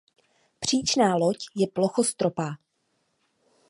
Příčná loď je plochostropá.